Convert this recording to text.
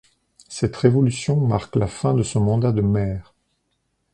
Cette révolution marque la fin de son mandat de maire.